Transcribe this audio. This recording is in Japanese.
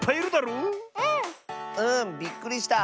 うん。びっくりした！